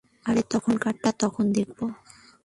আরে তখনকারটা তখন দেখবো।